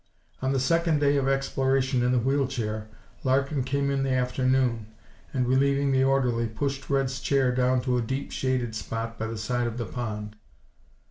On the second day of exploration in the wheel chair, Larkin came in the afternoon and, relieving the orderly, pushed Red's chair down to a deep shaded spot by the side of the pond.